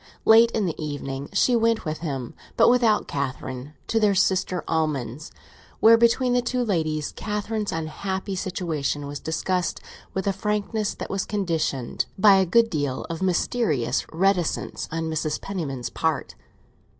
Late in the evening she went with him, but without Catherine, to their sister Almond's, where, between the two ladies, Catherine's unhappy situation was discussed with a frankness that was conditioned by a good deal of mysterious reticence on Mrs. Penniman's part.